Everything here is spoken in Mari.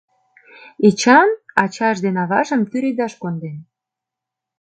Эчан ачаж ден аважым тӱредаш конден.